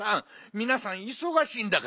みなさんいそがしいんだから。